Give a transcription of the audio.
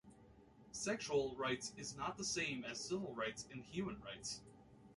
Sexual rights is not the same as civil rights and human rights.